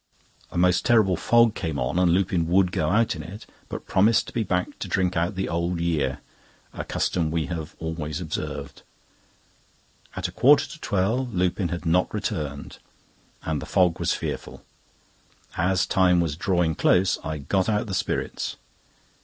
A most terrible fog came on, and Lupin would go out in it, but promised to be back to drink out the Old Year—a custom we have always observed. At a quarter to twelve Lupin had not returned, and the fog was fearful. As time was drawing close, I got out the spirits.